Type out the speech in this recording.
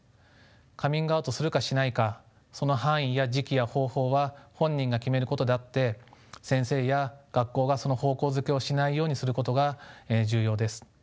カミングアウトするかしないかその範囲や時期や方法は本人が決めることであって先生や学校がその方向付けをしないようにすることが重要です。